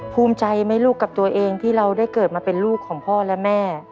ภูมิใจไหมลูกกับตัวเองที่เราได้เกิดมาเป็นลูกของพ่อและแม่